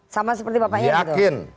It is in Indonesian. sama seperti bapaknya gitu